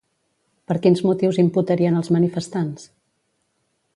Per quins motius imputarien als manifestants?